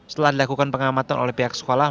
setelah dilakukan pengamatan oleh pihak sekolah